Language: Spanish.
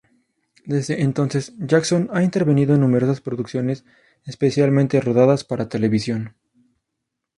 Desde entonces, Jackson ha intervenido en numerosas producciones especialmente rodadas para televisión.